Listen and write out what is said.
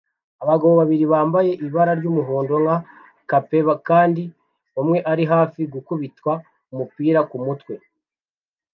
Abagabo babiri bambaye ibara ry'umuhondo nka cape kandi umwe ari hafi gukubitwa umupira kumutwe